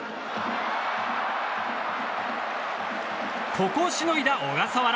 ここをしのいだ小笠原。